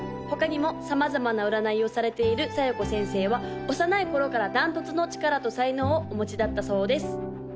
他にも様々な占いをされている小夜子先生は幼い頃から断トツの力と才能をお持ちだったそうです